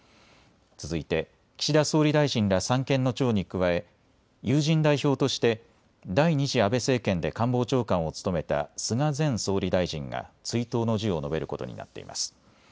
続いて岸田総理大臣ら三権の長に加え友人代表として第２次安倍政権で官房長官を務めた菅前総理大臣が追悼の辞を述べることになっています。